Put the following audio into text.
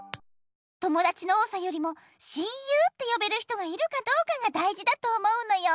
ともだちの多さよりも親友ってよべる人がいるかどうかがだいじだと思うのよ。